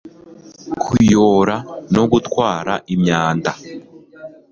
kuyora no gutwara imyanda